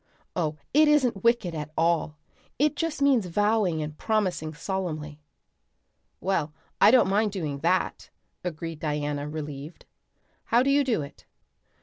Oh, it isn't wicked at all. It just means vowing and promising solemnly." "Well, I don't mind doing that," agreed Diana, relieved. "How do you do it?"